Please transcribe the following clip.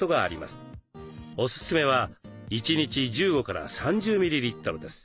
おすすめは１日１５３０ｍｌです。